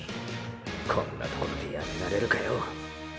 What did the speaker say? こんなところでやめられるかよ！